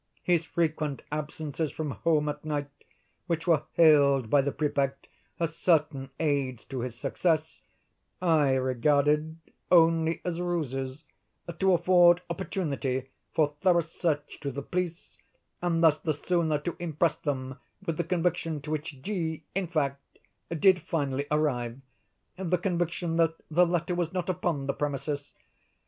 His frequent absences from home at night, which were hailed by the Prefect as certain aids to his success, I regarded only as ruses, to afford opportunity for thorough search to the police, and thus the sooner to impress them with the conviction to which G——, in fact, did finally arrive—the conviction that the letter was not upon the premises.